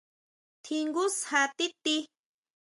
¿Tjingú sjá tíʼti?